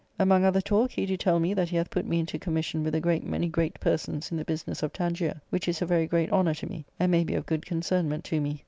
Among other talk, he do tell me that he hath put me into commission with a great many great persons in the business of Tangier, which is a very great honour to me, and may be of good concernment to me.